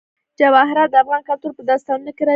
جواهرات د افغان کلتور په داستانونو کې راځي.